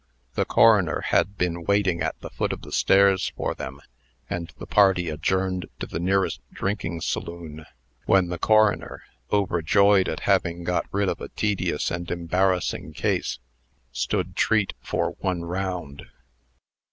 The coroner had been waiting at the foot of the stairs for them; and the party adjourned to the nearest drinking saloon, when the coroner, overjoyed at having got rid of a tedious and embarrassing case, stood treat for one round.